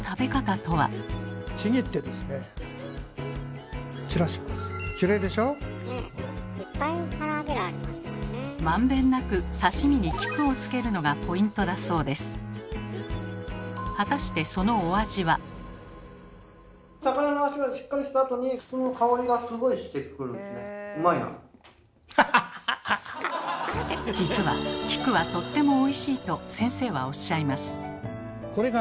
実は菊はとってもおいしいと先生はおっしゃいます。